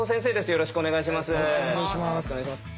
よろしくお願いします。